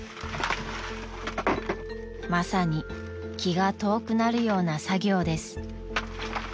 ［まさに気が遠くなるような作業です］